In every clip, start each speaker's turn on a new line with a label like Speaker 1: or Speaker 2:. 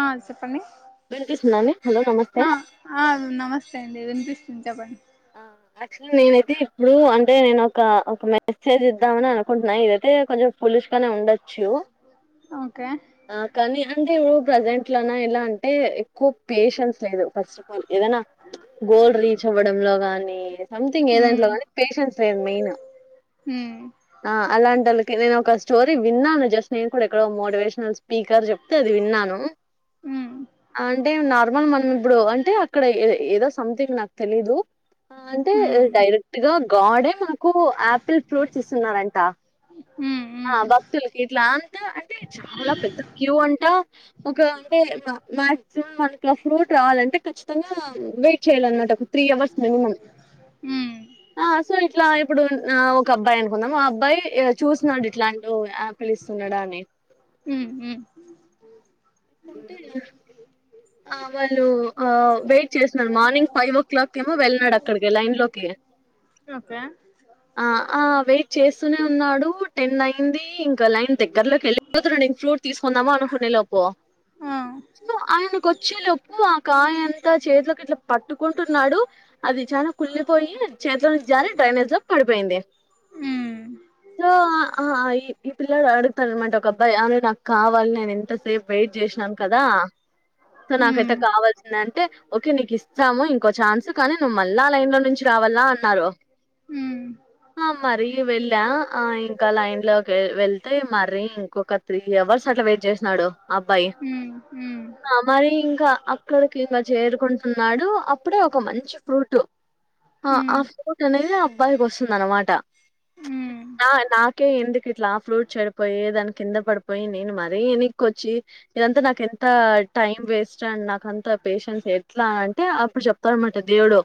Speaker 1: ఆ చెప్పండి
Speaker 2: వినిపిస్తుందండి హలో నమస్తే
Speaker 1: ఆ అ నమస్తే వినిపిస్తుంది చెప్పడి
Speaker 2: యాక్చువల్లీ నేనైతే ఇప్పుడు అంటే నేను ఒక ఒక మెసేజ్ ద్దాని అనుకుంటున్నా ఇదైతే కొంచం పులుష్గానే ఉండచ్చు
Speaker 1: ఓకే
Speaker 2: కానీ అే ఇ ప్రజెంట్ లోన ఎలా అంటే క్కు పేషెన్స్ లేదు ఫస్ట్ ఆఫ్ ఆల్ ఏదైనా గోల్ రీచ్ అవ్వడంలో సమ్థింగ్ ఏదంట్లో
Speaker 1: ఉమ్
Speaker 2: కానీ పేషన్స్ లేదు మైన్
Speaker 1: ఉమ్
Speaker 2: ఆ అలాంటి నేను ఒక స్టోరీ విన్నాను జస్ట్ నేను కూడా ఎక్కడో మోటివేషనల్ స్పీకర్ చెప్తే అది విన్నాను
Speaker 1: ఉమ్
Speaker 2: అంటే నార్మల్ మనం ఇప్పుడు అంటే అక్కడ ఏదో సంథింగ్ నాకు తెలీదు అంటే డైరెక్ట్ గా గడే మా ఎక్కువ ఆపిల్ ఫ్రూట్స్ ఇస్తున్నంట
Speaker 1: ఉమ్ ఉమ్
Speaker 2: భక్తులకి ఇట్లా అంతా అంటే చాలా పెద్ద క్యూ అంట ఒక అంటే మాక్సిమం మనకు ఫ్రూట్ కావాలంటే ఖచ్చితంగా వెయిట్ చేయాల అన్నమాట ఒక త్రీ అవర్స్
Speaker 1: ఉమ్
Speaker 2: ఆ సలిట్లా ఇప్పుడు ఆ ఒక అబ్బాయి అనుకుందాం ఆ అబ్బాయి చూన్నాడు ఇట్లాంటి ఆపిలి ఇస్తున్నాడా అని
Speaker 1: ఉమ్ ఉమ్ ఉమ్
Speaker 2: కుంట ఆ వాళ్ళు వెయిట్ చేసినడు మార్నింగ్ ఫైవ్ ఓ క్లాక్ ఏమో వెళ్ళన్నాడు అక్కడికి లైన్ లోకి
Speaker 1: ఓకే
Speaker 2: చేస్తూనే ఉన్నాడు టెన్ అయింది ఇంకా లైన్ దగ్గరలోకి వెళ్ళిపోతినడు నేను ఫ్లూట్ తీసుకుందాము అనుకునే లోప్పు
Speaker 1: ఆ
Speaker 2: సో ఆయన కొచ్చిలోప్పు ఆ కాయంతా చేతిలోకి ఇట్లా పట్టుకుంటున్నాడు అది చా కుళ్లిపోయి చేతిలో నుంచి జారీ డ్రైనేజ్ లో పడిపోయింది
Speaker 1: ఉమ్
Speaker 2: సో ఈ ఈ పిల్లడు అడుగుతారనమాట ఒక అబ్బాయి అ నాకు కావాలి నేను ఎంతసేపు వెయిట్ చేసినాను కదా సో
Speaker 1: ఉమ్
Speaker 2: నాకైతే కావాల్సింద అంటే ఓకే నీకు ఇస్తాము ఇంకో ఛాన్స్ కానీ నువ్వు మళ్ళా లైన్ లో నుంచి రావాలా అన్నారు
Speaker 1: ఉమ్
Speaker 2: మరి వెళ్ళా ఆ ఇంకా లైన్ లో వెళ్తే మరి ఇంకొక త్రీ అవర్స్ అట్లా వెయిట్ చేసినడు అబ్బాయి
Speaker 1: ఉమ్ ఉమ్
Speaker 2: మరి ఇంకా అక్కడకి ఇంకా చేరుకుంటున్నాడు అప్పుడే ఒక మంచి ఫ్రూట్ ఆ
Speaker 1: ఉమ్
Speaker 2: ఫ్రూట్ అనేది అబ్బాయి కి వాస్ ఉంది అన్నమాట
Speaker 1: ఉమ్ ఉమ్
Speaker 2: నా నాకే ఎందుకు ఇట్లా ఫ్రూట్ చెడిపోయి దాని కింద పడిపోయి నేను మరీ ఎకొచ్చి ఇదంతా నాకు ఎంత టైం వేస్ట్ అండ్ నాక అంత పేషెన్స్ ఎట్లా అ అంటే అప్పుడు చెప్తా అన్నమాట దేవుడు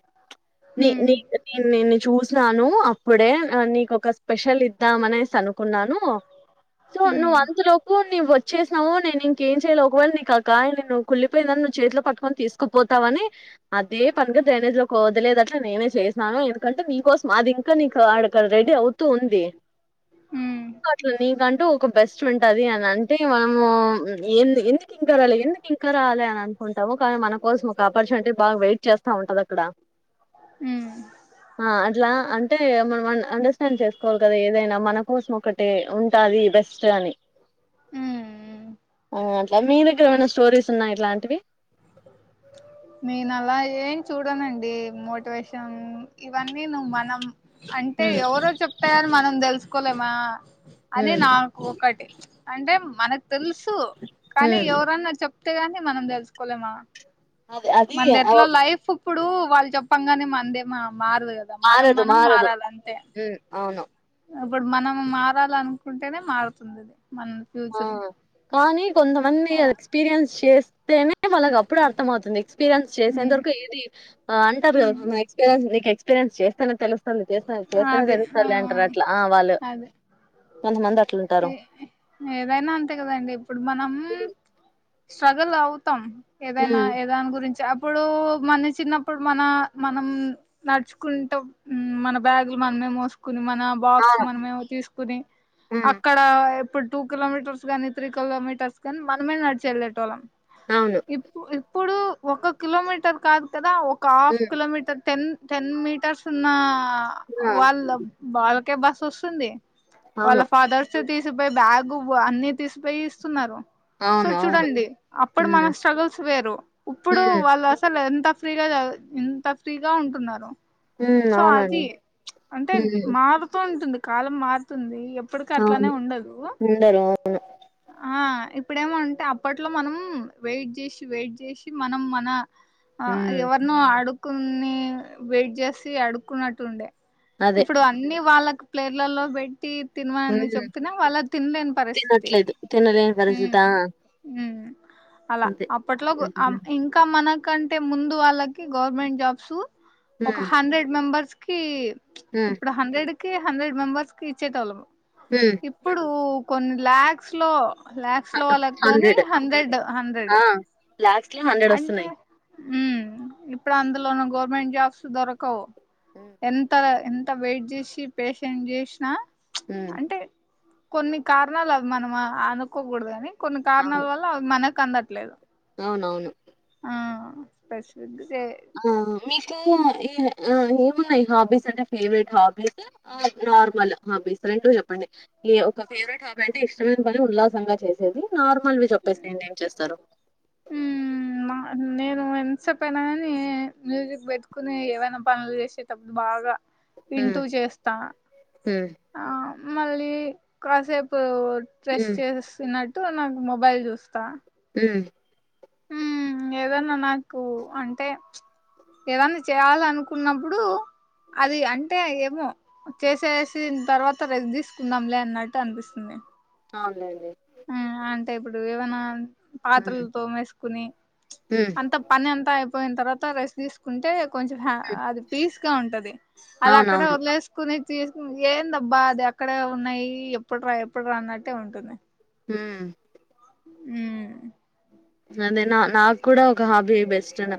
Speaker 1: ఉమ్
Speaker 2: నేను నిు చూసినాను అప్పుడే నీకు ఒక స్పెషల్ ఇద్దాం అనే అనుకున్నాను సో నువ్ అంత లో నువ్ వేసినవు నేను ఇంకేం చేయలేలో ఒకవేళ నీకు కా న నువ్వు కుళ్లిపోయిందని నువ్వు చేతిలో పక్కకని తీసుకుపోతావని అదే పనుగా డ్రైనేజ్ లో వదలేదు అట్లా నేనే చేసినాను ఎందుకంటే నీకోసం అది ఇంకా నీకు అడడ రెడీ అవుతూ ఉంది
Speaker 1: ఉమ్
Speaker 2: అట్ నీకంటూ ఒక బెస్ట్ ఉంటది అని అంటే మనము ఎందుకు ఇంకరాలి ఎందుకు ఇంకరాలి అనంత ఉంటాము కానీ మన కోసం ఒక ఆపర్చునిటీ బాగా వెయిట్ చేస్తా ఉంటది అక్కడ
Speaker 1: ఉమ్
Speaker 2: ఆ అట్లా అ అంటే మనం అండర్స్టాండ్ చేసుకోవాలి కదా ఏదైనా మన కోసం ఒకటి ఉంటది బెస్ట్ అని
Speaker 1: ఉమ్
Speaker 2: ఏమనా స్టోరీస్ ఉన్నాయి ఇట్లాంటివి
Speaker 1: నేను అలా ఏం చూడనండి మోటివేషన్ ఇవన్నీ నువు మనం అంటే
Speaker 2: ఉమ్
Speaker 1: ఎవరో చెప్తగాని మనం తెలుసు స్కుల మా అదే
Speaker 2: ఉమ్
Speaker 1: నాకు ఒకటి అంటే మన తెలుసు కానీ
Speaker 2: ఉమ్
Speaker 1: ఎవరన్నా చెప్ చెప్తే గాని మనం తెలుసుకోలేమా
Speaker 2: అది అది
Speaker 1: మనది
Speaker 2: అవ్
Speaker 1: ఎట్లా లైఫ్ ఇప్పుడు వాళ్ళు చెప్పంగాగానే మందేమా మారదు కదా మనం
Speaker 2: మారదు
Speaker 1: మనం
Speaker 2: మారదు
Speaker 1: మారాలంతే
Speaker 2: హ్మ్. అవును
Speaker 1: ఇప్పుడు మనం మారాలనుకుంటేనే మారుతుంది మన
Speaker 2: ఆ
Speaker 1: ఫ్యూచర్
Speaker 2: కానీ కొంతమంది
Speaker 1: అలా
Speaker 2: ఎక్స్పీరియన్స్ చేస్త్ తేనే వాళ్ళకి అప్పుడు అర్థమవుతుంది ఎక్స్పీరియన్స్ చేసే అంత
Speaker 1: ఉమ్
Speaker 2: వరకు ఏది అంటారు
Speaker 1: ఉమ్
Speaker 2: ఎక్స్పీరియన్స్ నీ ఎక్స్పీరియన్స్ చేస్తేనే తే చేస్తు చేస్తేనే
Speaker 1: అది ఆ
Speaker 2: తెలుస్తదిలే అంటారు అట్లా ఆ వాళ్ళు
Speaker 1: అదే
Speaker 2: కొంతమంది
Speaker 1: ఏ
Speaker 2: అట్లుంటారు
Speaker 1: ఏదైనా అంతే కదండి ఇప్పుడు మనం స్ట్రగుల్ అవుతం ఏదైనా
Speaker 2: ఉమ్
Speaker 1: ఏదాని గురించి ఇప్పుడు మన చిన్నప్పుడు మన మనం నడుచుకుంటు మ్ మన బ్యాగ్లు మనమే మోసు కుని మన బాక్స్
Speaker 2: అవును
Speaker 1: మనమే తీసుకుని
Speaker 2: ఉమ్
Speaker 1: అక్కడ ఇప్పుడు టూ కిలోమీటర్స్ గానీ త్రీ కిలోమీటర్స్ కానీ మనమే నడిిచి వెళ్లేటోళ్ళం
Speaker 2: అవును
Speaker 1: ఇప్పు ఇప్పు ఇప్పుడు ఒక కిలోమీటర్ కాదు కదా ఓ ఒక half
Speaker 2: um
Speaker 1: kilometre ten ten metres సున్నా ఆ హా
Speaker 2: ఆ
Speaker 1: వాళ్ళ బాల ఓకే బస్ వస్తుంది
Speaker 2: అవును
Speaker 1: వాళ్ళా ఫాదర్స్ తీసు తీసిపోయి బ్యాగు అన్ని తీసిపోయి ఇస్తున్నారు సో
Speaker 2: అవును అవును
Speaker 1: చూడండి అప్పుడు
Speaker 2: ఉమ్
Speaker 1: మన స్ట్రగుల్స్ వేరు ఇప్పుడు
Speaker 2: ఉమ్
Speaker 1: వాళ్ళు అసలు ఎంత ఫ్రీగా ఇంత ఫ్రీగా ఉంటున్నారు
Speaker 2: ఉమ్
Speaker 1: సో
Speaker 2: అవునండి
Speaker 1: అతి అంటే
Speaker 2: ఉమ్
Speaker 1: మారుతూ ఉంటుంది కాలం మారుతుంది ఇప్పటిక అట్లానే ఉండదు
Speaker 2: అ
Speaker 1: ఆ ఇప్పుడేమో అంటే అప్పట్లో మనం వెయిట్ చేసి వెయిట్ చేసి మనం మన ఆ
Speaker 2: ఉమ్
Speaker 1: ఎవర్ను ఆడు కొన్ని వెయిట్ చేసి ఆడుకున్నటుండే
Speaker 2: అదే
Speaker 1: ఇప్పుడు అన్ని వాళ్ళకు ప్లేర్లలో బెడ్ తినవాని
Speaker 2: ఉమ్
Speaker 1: చెప్తన్నా వాళ్ళ తినలేని పరిస్థితి
Speaker 2: తినట్లేదు తినలేని పరిస్థిత
Speaker 1: మ్మ్ అలా అప్పట్లో గు ఇంకా మనక్ కంటే ముందు వాళ్ళకి గవర్నమెంట్ జాబ్స్ ఒక
Speaker 2: ఉమ్
Speaker 1: హండ్రెడ్ మెంబర్స్ కీ
Speaker 2: ఉమ్
Speaker 1: ఇప్పుడు హండ్రెడ్ కి హండ్రెడ్ మెంబర్స్ కి ఇచ్చేటోళ్ళము
Speaker 2: ఉమ్
Speaker 1: ఇప్పుడు కొన్ ల్యాక్ స్లో లాక్స్ లో వాళ్ళకు నీ హండ్రెడ్ హండ్రెడ్
Speaker 2: ఆ లాక్స్ లో హండ్రెడ్ వస్తున్నాయి
Speaker 1: మ్మ్ ఇప్పుడు అందులోను గోర్మెంట్ జాబ్స్ దొరకవు ఎంత ఎంత వెయిట్ చేసి పేషెంట్ చేసినా
Speaker 2: ఉమ్
Speaker 1: అంటే కొన్ని కారణాలు అవి మనమా అనుకోకూడదని కొన్ని కారణాల
Speaker 2: అవును
Speaker 1: వల్ల అవి మన కందట్లేదు
Speaker 2: అవునవును
Speaker 1: ఆ పెసిఫిగ్
Speaker 2: ఆ మీకు ఈ ఆ ఏమున్నాయి హాబీస్ అంటే ఫేవరెట్ హాబీస్ ఆ నార్మల్ హాబీస్ రెండు చెప్పండి ఒక ఫేవరెట్ హాబీ అంటే ఇష్టమైన పని ఉల్లాసంగా చేసేది నార్మల్వి చెప్పేసేండి ఏం చేస్తారు
Speaker 1: నేను ఎంత్సేపైన కాని మ్యూజిక్ పెట్టుకుని ఏవైనా పనులు చేసేటప్పుడు బాగా వింటూ చేస్తా
Speaker 2: మ్మ్
Speaker 1: ఆ మళ్ళీ కాసేపు ట్రెశ్
Speaker 2: ఉమ్
Speaker 1: చేస్తున్నట్ తో నాకు మొబైల్ చూస్తా
Speaker 2: మ్మ్
Speaker 1: మ్మ్ ఏదన్నా నాకు అంటే ప్చ్ ఏదన్నా చేయాలనుకున్నప్పుడు అది అంటే ఏమో చేసేసిన తర్వాత ర తీసుకుందాంలే అన్నట్టు అనిపిస్తుంది
Speaker 2: అవునులేండి
Speaker 1: మ్మ్ అంటే ఇప్పుడు ఏమనా పాత్రలు
Speaker 2: ఉమ్
Speaker 1: తోమేసుకుని
Speaker 2: ఉమ్
Speaker 1: అంత పనంతా అయి పోయిన తర్వాత రెస్ట్ తీసుకుంటే కొంచం హ అది పీస్ గా ఉంటది అది అక్కడ
Speaker 2: అవునవును
Speaker 1: వదిలేసుకొని తీసుకొని ఏందబ్బా అది అక్కడే ఉన్నాయి ఎప్పుడు రా ఎప్పుడురా అన్నట్టే ఉంటుంది
Speaker 2: హ్మ్
Speaker 1: హ్
Speaker 2: అదే నా నాకు కూడా ఒక హాబీ బెస్ట్ అ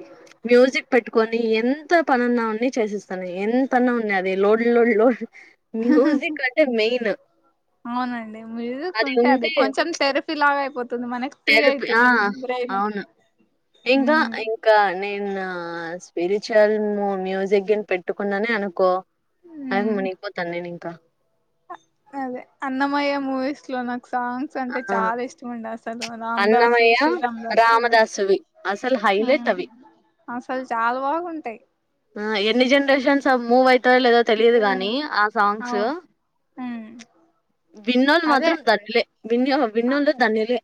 Speaker 2: మ్యూజిక్ పెట్టుకొని ఎంత పనున్నా ఉన్నా చేసిస్తాను ఎంతన్నా ఉన్నాయి అది లోడ్ లోడ్ లోడ్ మ్యూజిక్ అంటే మెన్
Speaker 1: అవునండి మ్యూజిక్కుంటే అది కొంచం తెరఫి లాగ అయిపో
Speaker 2: తెరపి ఆ అవును ఇందా
Speaker 1: ఉమ్
Speaker 2: ఇంకా నేను నా స్పిరిచల్ మ్యూజిక్ పెట్ ట్టుకుందనేే అనుకో అది మునిగిపోతాంది ఇంకా
Speaker 1: అ అదే అన్నమయ్య ముూవీస్లో నాక్ సాంగ్స్ అంటే
Speaker 2: ఆ
Speaker 1: చాలా ఇష్టం ఉండే అసలు రామ్ దాసు
Speaker 2: అన్నమయ్య
Speaker 1: శ్రీరామ్ దాసు
Speaker 2: రామదాసువి అసలు హైలైట్
Speaker 1: హ్మ్
Speaker 2: అవి
Speaker 1: అసలు చాలా బాగుంటాయ్
Speaker 2: స మూవైప్ ట్టో లేదో తెలియదు గాని ఆ సాంగ్స్సు
Speaker 1: అవును ఉమ్,
Speaker 2: విన్నోళ్ళు
Speaker 1: అదే
Speaker 2: మాత్రం ధన్నులే విన్యో
Speaker 1: అ-
Speaker 2: విన్నోళ్లు ధన్యులే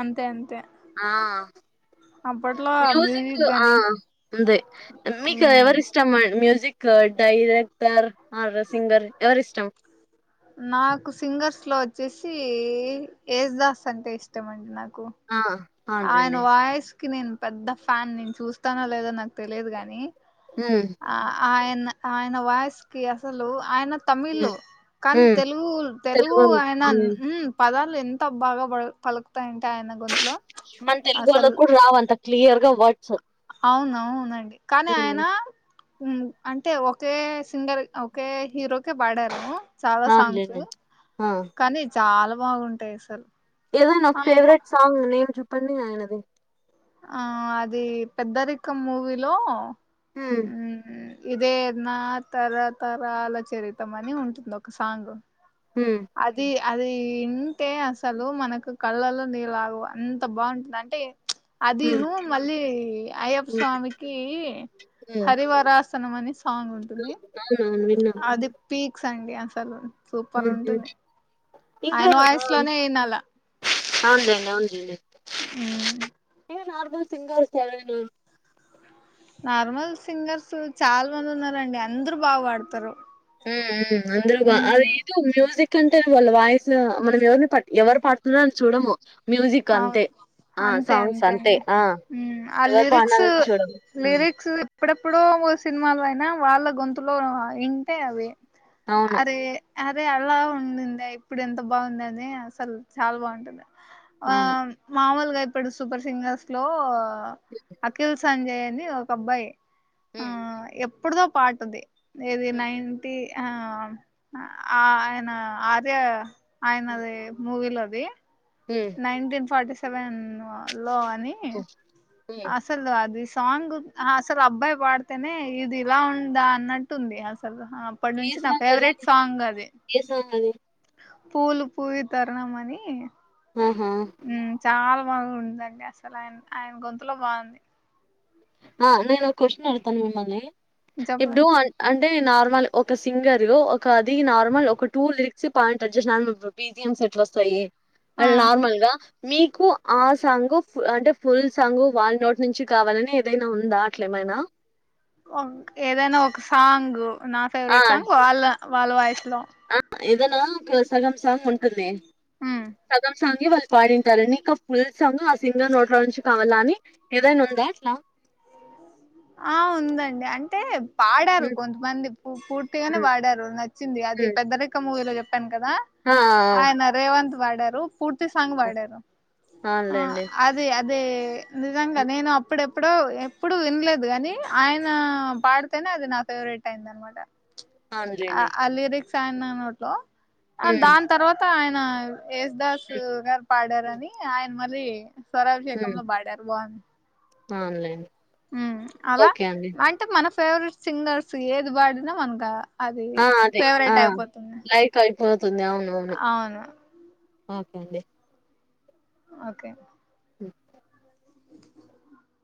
Speaker 1: అంతే అంతే
Speaker 2: ఆ
Speaker 1: అప్పట్లో ఆ
Speaker 2: మ్యూజికు
Speaker 1: మ్యూజిక్
Speaker 2: ఆ
Speaker 1: గాని
Speaker 2: ఉంది మీకు
Speaker 1: ఉమ్,
Speaker 2: ఎవరు ఇష్టం మ్యూజిక్ కా డైరెక్టర్ ఆ సింగర్ ఎవరు ఇష్టం
Speaker 1: నాకు సింగర్స్ లో వచ్చేసి ఎస్ దాస్ అంటే ఇష్టం అండి నాకు
Speaker 2: ఆ
Speaker 1: ఆయన
Speaker 2: అవునులేండి
Speaker 1: వాయిస్ కి నేను పెద్ద ఫ్యాన్ నేను చూస్తానో లేదో నాకు తెలియదు గాని
Speaker 2: హ్మ్
Speaker 1: ఆ ఆయన్ న ఆయన వాయిస్ కి అసలు ఆయన తమిళ్ కానీ
Speaker 2: హ్మ్
Speaker 1: తెలుగు తెలుగు ఆయన హ్ పద లు ఎంత బాగా బల్ పలుకుతాయంటే ఆయన గొంతులో
Speaker 2: మన
Speaker 1: అసలు
Speaker 2: తెలుగొల్లక్ గూడా రావంత క్లియర్ గా వాట్సప్
Speaker 1: అవునవునునండి కానీ ఆయన హ్మ్ అంటే ఒకే సింగర్ ఒకే హీరోకే పాడారు చాలా సాంగ్స్
Speaker 2: అవునులేండి ఆ
Speaker 1: కానీచ్ చాలా బాగుంటాయి అసలు
Speaker 2: ఏదైన ఒక
Speaker 1: ఆ
Speaker 2: ఫేవరెట్ సాంగ్ నేమ్ జుప్ తన్ని ఆయనది
Speaker 1: ఆ అది పెద్దరికం మూవీలో
Speaker 2: హూ
Speaker 1: ఇదే నా తరతరాల చరితం అని ఉంటుంది ఒక సాంగ్
Speaker 2: హ
Speaker 1: అది అది ఇంటే అసలు మనకు కళ్ళల్లో నీళ్ళు ఆగవ్ అంత బాగుంటుందింటే
Speaker 2: హ్మ్
Speaker 1: అదిను మళ్ళీ అయ్యప్ప
Speaker 2: హ్మ్
Speaker 1: స్వామికి
Speaker 2: హ్మ్.
Speaker 1: హరివరాసనం అనే సాంగ్ ఉంటుంది
Speaker 2: అవునవును విన్నా
Speaker 1: అది పీక్ సండిసలు సూపర్
Speaker 2: హ్మ్ హ్మ్
Speaker 1: ఉంటుంది ఆయన వాయసు లోనే అయినలా
Speaker 2: అవుందం బ
Speaker 1: అ
Speaker 2: ఏ నార్మల్ సింగర్స్ ఎవనా
Speaker 1: నార్మల్ సింగర్స్ చాలా మంది ఉన్నారండి అందరు బా పాడతారు
Speaker 2: ఉ అంద్ర బా అది
Speaker 1: ఉమ్
Speaker 2: ఏదో మ్యూజిక్ ఎ అంటే వాళ్ళ వాయిస్ మనం ఎవరిని పట్ ఎవరు పతున్నో అని చూడము మ్యూజిక్
Speaker 1: అవును
Speaker 2: అంతే ఆ
Speaker 1: అంతే
Speaker 2: సాంగ్స్ అంతే
Speaker 1: అండి
Speaker 2: ఆ
Speaker 1: ఉమ్, ఆ
Speaker 2: ఎవరు
Speaker 1: లిరిక్స్
Speaker 2: పానాల చూడ
Speaker 1: లిరిక్స్ ఎప్పుడెప్పుడో సినిమాలో అయినా వాళ్ళ గొంతులో ఇంటే అవి
Speaker 2: అవును
Speaker 1: అరే అదే అలా ఉంది ఇప్పుడు ఎంత బాగుంద అని అసలు చాలా బాగుంటుంది ఆ
Speaker 2: అవును
Speaker 1: మామూలుగా అయి పెడు సూపర్ సింగర్స్ లో అఖిల్ సంజయ్ అని ఒక అబ్బాయి ఆ
Speaker 2: ఉమ్
Speaker 1: ఎ ఇప్పుడుదో పాటుది ఏది
Speaker 2: ఉమ్
Speaker 1: నైంటీ ఆ ఆ అనా ఆద ఆయన
Speaker 2: ఉమ్
Speaker 1: అదే మూవీలో అంది
Speaker 2: ఉమ్
Speaker 1: నైన్టీన్ ఫర్టీ సెవెన్ లోని
Speaker 2: ఉమ్ ఉమ్
Speaker 1: అసలు అది సాంగ్ అసలు అబ్బాయి పాడితేనే ఇది ఇలా ఉందా అన్నట్టుంది అసలు అప్పటి
Speaker 2: ఏ
Speaker 1: నుంచి నా
Speaker 2: సాంగ్ అది
Speaker 1: ఫేవరెట్ సాంగ్ అది
Speaker 2: ఏ సాంగ్ అది
Speaker 1: పూలు పూవి తరణ అని
Speaker 2: ఆహా
Speaker 1: చాలా బగ్గుండ్ చేసి ఆయన గొంతు లో బాగుంది
Speaker 2: ఆ నేను క్వశ్చన్ అడుగుతా మిమ్మలి ఇప్పుడు
Speaker 1: చెప్పండి
Speaker 2: అ అంటే నార్మల్ ఒక సింగరు ఒక అది నార్మల్ ఒక టూ లిరిక్స్ పాట్ అ చే నార్మల్ బిజియామ్స్ వస్తాయి
Speaker 1: ఆ
Speaker 2: అళ్ నార్మల్గా మీకు ఆ సాంగ్ అంటే ఫుల్ సాంగ్ వాళ్ళ నోటి నుంచి కావాలని ఏదైనా ఉందా అట్లే ఏమైనా
Speaker 1: ఏదైనా ఒక సాంగ్ నా
Speaker 2: ఆ
Speaker 1: ఫేవరెట్ సాంగ్ వాళ్ల్ వాళ్ళు వాయిస్ లో
Speaker 2: ఏదైనా సగం సాంగ్ ఉంటుంది
Speaker 1: ఉమ్.
Speaker 2: సగం సాంగ్ వాళ్ళు పాడింటారండి ఇక ఫుల్ సాంగ్ ఆ సింగర్ నోట్ల నుంచి కావాలా అని ఏదైనా ఉందా అట్లా
Speaker 1: ఆ ఉందండి అంటే పాడారు
Speaker 2: హ్మ్
Speaker 1: కొంతమంది పూర్తిగానే
Speaker 2: హ్మ్
Speaker 1: పాడారు నచ్చింది అది
Speaker 2: హ్మ్
Speaker 1: పెద్ద రెక్క మూవీలో కధ
Speaker 2: ఆ
Speaker 1: అయన రేవంత్ వాడారు పూర్తి సాంగ్
Speaker 2: ఆ
Speaker 1: పడారు
Speaker 2: ఆ అవునులేండి
Speaker 1: అదే అదే నిజంగా నేను అప్పుడే ఇప్పుడు ఎప్పుడు వినలేదు కాని ఆయన పాడితేనే అది నా ఫేవరెట్ అయింది అనమాట
Speaker 2: అవునులేండి
Speaker 1: ఆ లిరిక్స్ కోట్లో ఆ
Speaker 2: హ్మ్
Speaker 1: దాని తర్వాత ఆయన ఎసదాసు పాడారని ఆయన మ అే సరవ చె కమంలో బాడారు బంద
Speaker 2: ఆన్లైన్
Speaker 1: ఉ అలా అంటే మన ఫేవరెట్ సింగర్స్ ఏది వాడినా మనగా
Speaker 2: ఆ అదే ఆ క్యి స్తుంది అవును అవును ఓకండి
Speaker 1: ఓకే
Speaker 2: అ